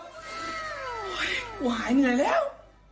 วายเหนื่อยแล้ว